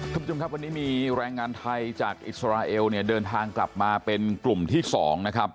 คุณผู้ชมครับวันนี้มีแรงงานไทยจากอิสราเอลเนี่ยเดินทางกลับมาเป็นกลุ่มที่๒นะครับ